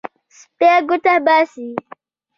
سپی ګوته باسي.